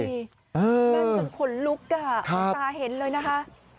มันถึงขนลุกอ่ะสาเห็นเลยนะคะ